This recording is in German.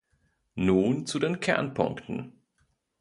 Nun zu den Kernpunkten.